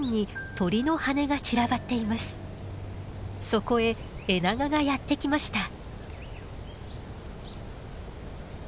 そこへエナガがやって来ました。